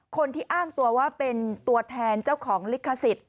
คนที่อ้างตัวว่าเป็นตัวแทนเจ้าของลิขสิทธิ์